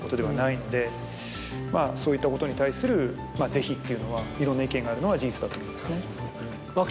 そういったことに対する是非っていうのはいろんな意見があるのは事実だと思いますね。